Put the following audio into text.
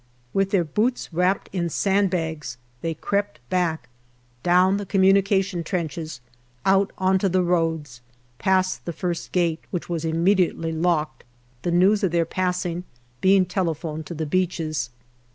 With their boots wrapped in sand bags they crept back, down the communication trenches, out on to the roads, past the first gate, which was immediately 300 GALLIPOLI DIARY locked, the news of their passing being telephoned to the beaches.